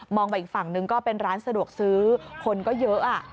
ไปอีกฝั่งนึงก็เป็นร้านสะดวกซื้อคนก็เยอะ